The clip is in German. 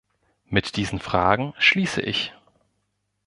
Mit diesen Fragen schließe ich.